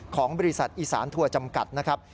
ของบริษัทอีสานทัวร์จำกัดนะครับ